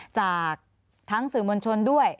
จากทั้งสื่อมวลชนด้วย